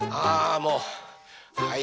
もうはい。